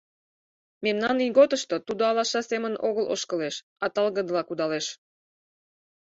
Мемнан ийготышто тудо алаша семын огыл ошкылеш, а талгыдыла кудалеш.